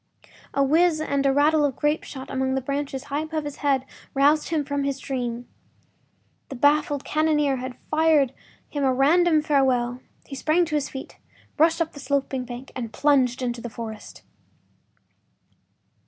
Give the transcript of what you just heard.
A whiz and a rattle of grapeshot among the branches high above his head roused him from his dream. The baffled cannoneer had fired him a random farewell. He sprang to his feet, rushed up the sloping bank, and plunged into the forest.